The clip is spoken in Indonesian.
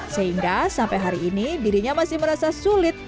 sehingga sampai hari ini dirinya masih merasa sulit